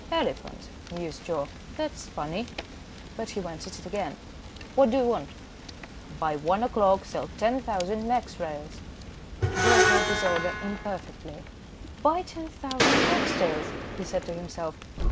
"Elephant," mused Joe. "That's funny." But he went at it again. "What do you want?" "By one o'clock, sell 10,000 Mex. Rails." Joe heard this order imperfectly. "Buy 10,000 ox tails," he said to himself.